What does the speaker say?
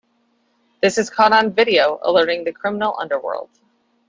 This is caught on video, alerting the criminal underworld.